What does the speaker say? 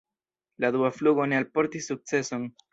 La dua flugo ne alportis sukceson.